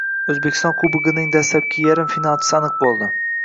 O‘zbekiston Kubogining dastlabki yarim finalchisi aniq bo‘ldi